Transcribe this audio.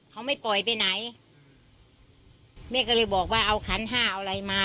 เขาไม่ปล่อยไปไหนแม่ก็เลยบอกว่าเอาขันห้าเอาอะไรมา